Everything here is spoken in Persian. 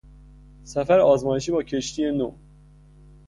سفر آزمایشی با کشتی نو